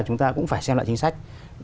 chúng ta cũng phải xem lại chính sách